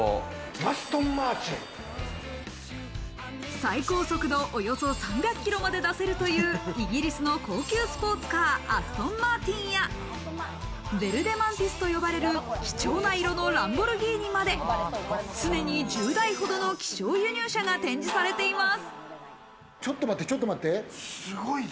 最高速度およそ３００キロまで出せるというイギリスの高級スポーツカー、アストンマーティンやヴェルデマンティスと呼ばれる貴重な色のランボルギーニまで、常に１０台ほどの希少輸入車が展示されています。